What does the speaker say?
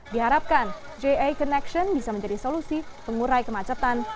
diharapkan ja connection bisa menjadi solusi pengurai kemacetan